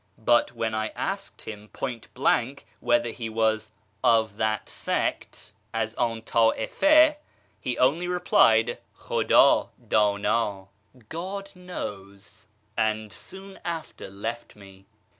" But when I asked him point blank whether he was " of that sect " {az an Uiifa), he only replied " Klmula ddnd "(" God knows "), and soon after left me.